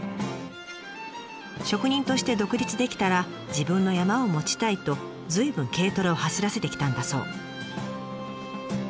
職人として独立できたら自分の山を持ちたいと随分軽トラを走らせてきたんだそう。